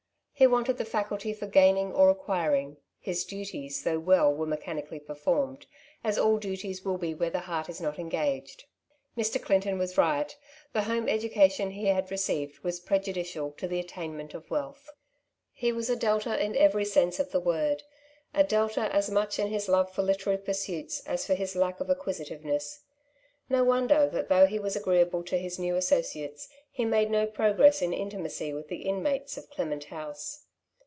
He wanted the faculty for gaining or acquiring — ^his duties, though well, were mechanically performed, as all duties will be where the heart is not engaged. Mr. Clinton was right ; the home education he had received was prejudicial to the attainment of wealth. He was a Delta in every sense of the word — a Delta as much in his love for literary pursuits as for his lack of acquisitiveness. No wonder that though he was agreeable to his new associates, he made no progress in intimacy with the inmates of " Clement House.'